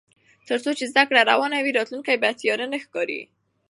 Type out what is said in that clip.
تر څو چې زده کړه روانه وي، راتلونکی به تیاره نه ښکاري.